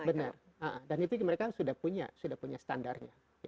benar dan itu mereka sudah punya sudah punya standarnya